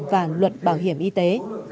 và luật bảo hiểm y tế